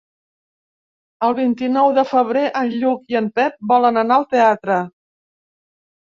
El vint-i-nou de febrer en Lluc i en Pep volen anar al teatre.